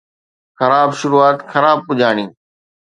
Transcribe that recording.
خراب شروعات خراب پڄاڻي